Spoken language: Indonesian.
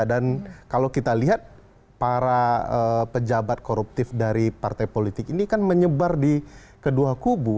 dan kalau kita lihat para pejabat koruptif dari partai politik ini kan menyebar di kedua kubu